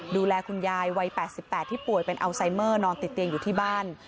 ดูแลคุณยายวัย๘๘ที่ป่วยเป็นอัลไซเมอร์นอนติดเตียงอยู่ที่บ้าน